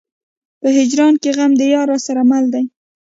په هجران کې غم د يار راسره مل دی.